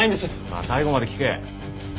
まあ最後まで聞け。